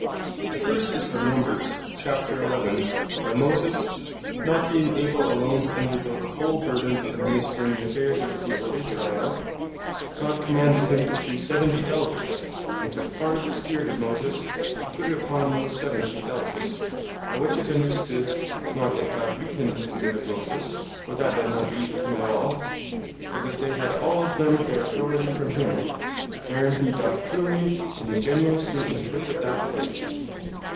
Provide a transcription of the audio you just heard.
The first, is from Numbers 11. where Moses not being able alone to undergoe the whole burthen of administring the affairs of the People of Israel, God commanded him to choose Seventy Elders, and took part of the spirit of Moses, to put it upon those Seventy Elders: by which it is understood, not that God weakened the spirit of Moses, for that had not eased him at all; but that they had all of them their authority from him; wherein he doth truly, and ingenuously interpret that place.